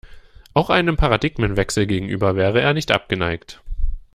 Auch einem Paradigmenwechsel gegenüber wäre er nicht abgeneigt.